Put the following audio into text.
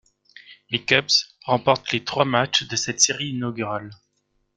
Les Cubs remportent les trois matchs de cette série inaugurale.